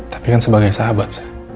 tapi kan sebagai sahabat saya